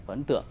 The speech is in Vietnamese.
và ấn tượng